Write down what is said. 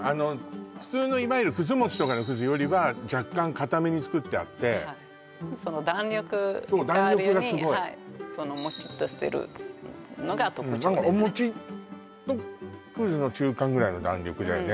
普通のいわゆる葛餅とかの葛よりは若干かために作ってあって弾力があるようにそう弾力がスゴいそのもちっとしてるのが特徴ですねお餅と葛の中間ぐらいの弾力だよね